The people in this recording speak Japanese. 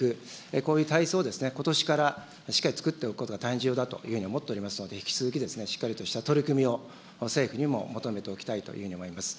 こういうをことしからしっかりつくっていくことが大変重要だと思っておりますので、引き続きしっかりとした取り組みを政府にも求めておきたいというふうに思います。